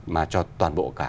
mà cho toàn bộ cả